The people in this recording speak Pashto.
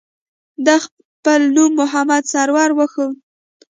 ده خپل نوم محمد سرور وښوده.